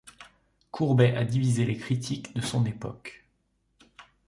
Courbet a divisé les critiques de son époque.